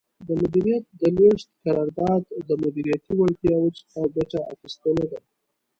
د مدیریت د لیږد قرار داد د مدیریتي وړتیاوو څخه ګټه اخیستنه ده.